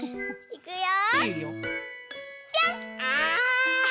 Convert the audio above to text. いくよ！